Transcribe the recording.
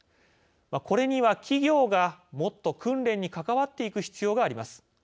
これには、企業がもっと訓練に関わっていく必要があります。